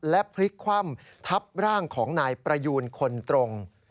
และพลิกคว่ำทับร่างของนายประยูนคนตรง